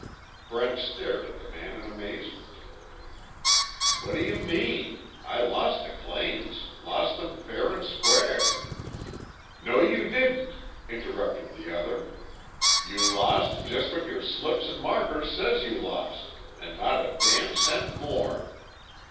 Brent stared at the man in amazement: "What do you mean? I lost the claims lost them fair and square " "No you didn't," interrupted the other, "You lose just what yer slips an' markers says you lose an' not a damn cent more.